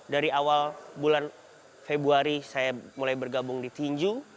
dari awal bulan februari saya mulai bergabung di tinju